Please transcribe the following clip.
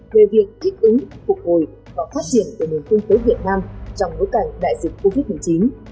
về việc thích ứng phục hồi và phát triển của nền kinh tế việt nam trong bối cảnh đại dịch covid một mươi chín